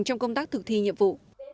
trong công tác thực thi nhiệm vụ